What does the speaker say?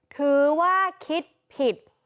ถือว่าคิดผิด